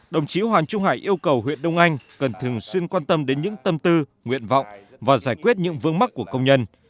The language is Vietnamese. đồng chí hoàng trung hải yêu cầu huyện đông anh cần thường xuyên quan tâm đến những tâm tư nguyện vọng và giải quyết những vương mắc của công nhân